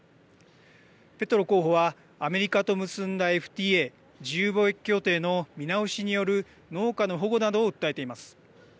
ペトロ候補は、アメリカと結んだＦＴＡ＝自由貿易協定の見直しによる農家の保護などを訴えています。